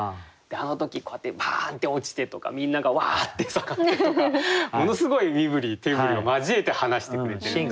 あの時こうやってバーンって落ちてとかみんながワーッて盛ってとかものすごい身振り手振りを交えて話してくれてるんですよね。